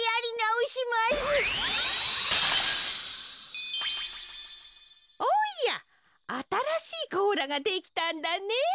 おやあたらしいこうらができたんだねえ。